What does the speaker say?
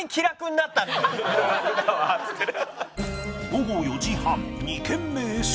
午後４時半２軒目へ出発